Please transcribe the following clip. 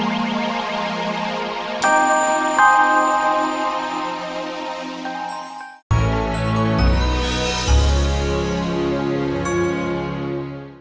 oh yang namanya prinses tetap tidur aja